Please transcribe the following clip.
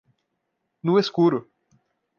No escuro